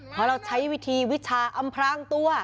เพราะเราใช้วิธีวิชาอำพรางตัว